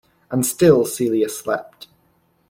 And still Celia slept.